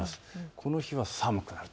この日は寒くなると。